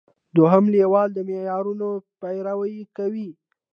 دوهم لیول د معیارونو پیروي کوي.